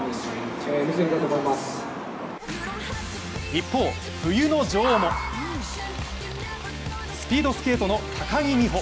一方、冬の女王もスピードスケートの高木美帆。